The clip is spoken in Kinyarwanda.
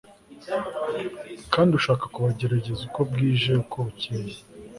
kandi ushaka kubagerageza uko bwije uko bucyeye! ..